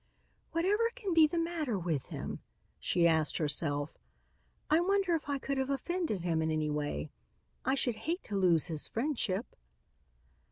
"Whatever can be the matter with him?" she asked herself. "I wonder if I could have offended him in any way. I should hate to lose his friendship."